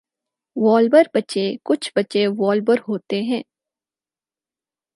وولبر بچے کچھ بچے وولبر ہوتے ہیں۔